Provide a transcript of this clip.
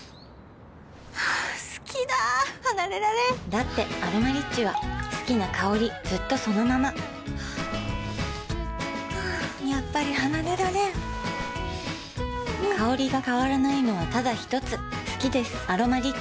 好きだ離れられんだって「アロマリッチ」は好きな香りずっとそのままやっぱり離れられん香りが変わらないのはただひとつ好きです「アロマリッチ」